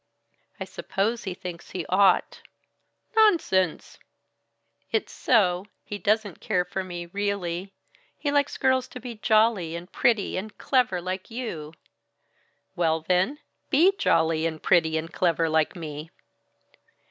"I suppose he thinks he ought." "Nonsense!" "It's so. He doesn't care for me really. He likes girls to be jolly and pretty and clever like you." "Well, then be jolly and pretty and clever like me."